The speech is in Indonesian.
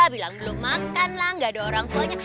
bilang belum makan lah gak ada orang tuanya